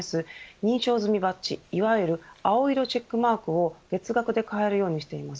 認証済みバッジいわゆる青色チェックマークを月額で買えるようにしています。